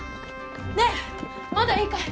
ねえまだいいかい？